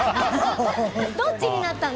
どっちになったの？